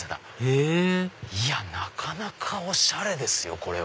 へぇなかなかおしゃれですよ！